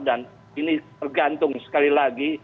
dan ini tergantung sekali lagi